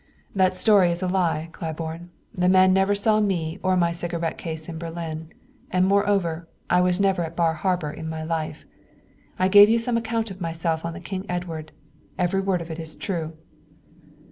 "That story is a lie, Claiborne. That man never saw me or my cigarette case in Berlin; and moreover, I was never at Bar Harbor in my life. I gave you some account of myself on the King Edward every word of it is true."